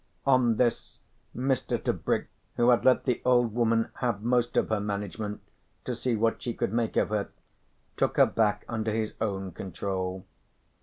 On this, Mr. Tebrick, who had let the old woman have most of her management to see what she could make of her, took her back under his own control.